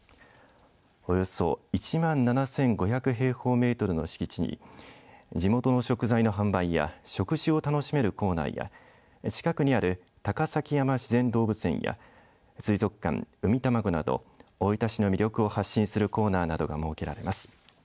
およそ１万７５００平方メートルの敷地に地元の食材の販売や食事を楽しめるコーナーや近くにある高崎山自然動物園や水族館うみたまごなど大分市の魅力を発信するコーナーなどが設けられます。